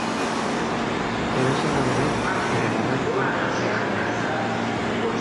Edozelan ere bere garrantzia ukaezina da.